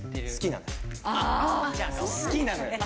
好きなのよ。